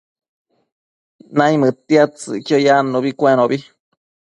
naimëdtiadtsëcquio yannubi cuenobi